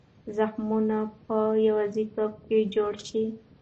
زخمونه به په یوازیتوب کې جوړ شي.